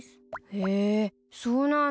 へぇそうなんだ。